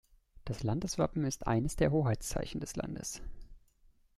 Das Landeswappen ist eines der Hoheitszeichen des Landes.